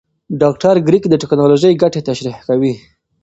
ډاکټر کریګ د ټېکنالوژۍ ګټې تشریح کوي.